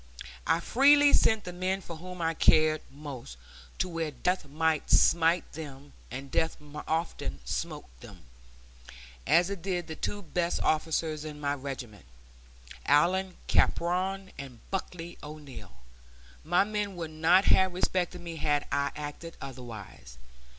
I freely sent the men for whom I cared most, to where death might smite them; and death often smote them as it did the two best officers in my regiment, Allyn Capron and Bucky O'Neil. My men would not have respected me had I acted otherwise.